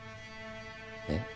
えっ？